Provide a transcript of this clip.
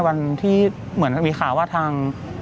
วันที่เหมือนมีข่าวว่าทาง